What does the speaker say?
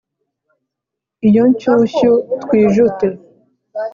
iyo nshyushyu twijute